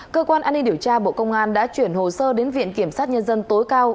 cơ quan an ninh điều tra bộ công an đã chuyển hồ sơ đến viện kiểm sát nhân dân tối cao